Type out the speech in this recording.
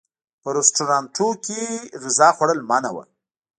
په رسټورانټونو کې غذا خوړل منع و.